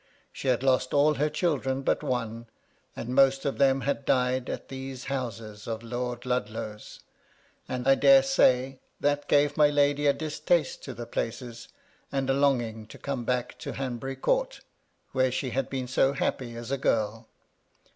She had lost all her children but one, and most of them had died at these houses of Lord Ludlow's ; and, I dare say, that gave my lady a distaste to the places, and a longing to come back to Hanbury Court, where she had been so happy as a girl.